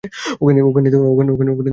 ওখানেই দাঁড়াও, ঠিক আছে?